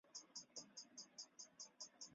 觉得有点无聊